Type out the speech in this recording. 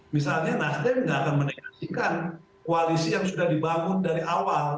misalnya nasdem nggak akan menegasikan koalisi yang sudah dibangun dari awal